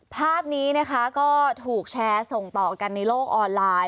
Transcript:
ภาพนี้นะคะก็ถูกแชร์ส่งต่อกันในโลกออนไลน์